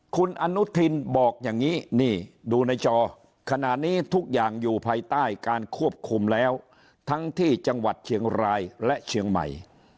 คุณอนุทินบอกอย่างนี้นี่ดูในจอขณะนี้ทุกอย่างอยู่ภายใต้การควบคุมแล้วทั้งที่จังหวัดเชียงรายและเชียงใหม่